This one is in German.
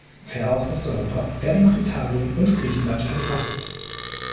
Pferde aus Osteuropa werden nach Italien und Griechenland verfrachtet.